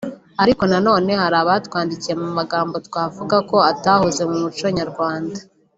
Ariko na none hari abatwandikira mu magambo twavuga ko atahoze mu muco nyarwanda